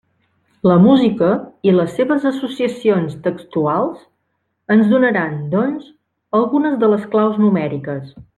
La música —i les seves associacions textuals— ens donaran, doncs, algunes de les claus numèriques.